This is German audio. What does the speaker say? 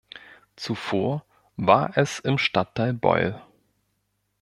Zuvor war es im Stadtteil Beuel.